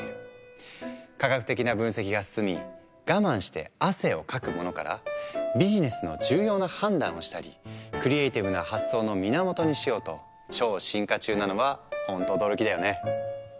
科学的な分析が進み我慢して汗をかくものからビジネスの重要な判断をしたりクリエーティブな発想の源にしようと超進化中なのはホント驚きだよね。